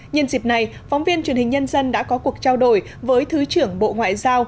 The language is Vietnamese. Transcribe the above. nhân dịp này phóng viên truyền hình nhân dân đã có cuộc trao đổi với thứ trưởng bộ ngoại giao